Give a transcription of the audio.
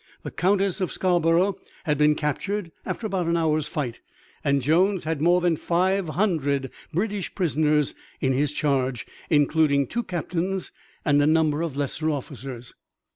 The Countess of Scarborough had been captured after about an hour's fight, and Jones had more than five hundred British prisoners in his charge, including two captains and a number of lesser officers.